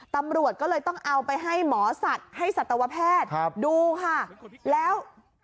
ตำรวจก็เลยต้องเอาไปให้หมอสัตว์ให้สัตวแพทย์ดูค่ะแล้ว